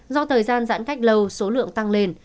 do thời gian giãn cách lâu số lượng tăng lên